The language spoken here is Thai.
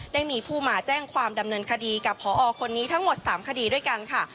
ได้มีผู้มาแจ้งความดำเนินคดีกับพอคนนี้ทั้งหมด๓คดีด้วยกันค่ะ